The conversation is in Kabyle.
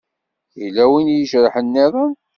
Yella wi ijerḥen-nniḍen?